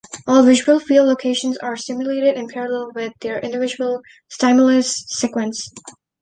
All visual field locations are stimulated in parallel with their individual stimulus sequence.